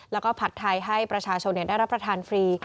แล้วก็ผัดไทยให้ประชาชนได้รับประทานฟรี